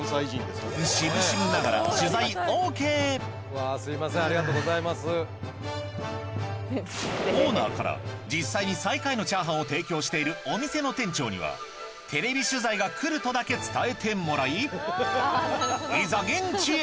しぶしぶながらオーナーから実際に最下位のチャーハンを提供しているお店の店長にはテレビ取材が来るとだけ伝えてもらいいざ現地へ！